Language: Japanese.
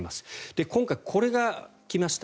今回、これが来ました。